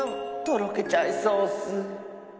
とろけちゃいそうッス。